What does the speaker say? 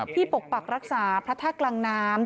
ปกปักรักษาพระธาตุกลางน้ำ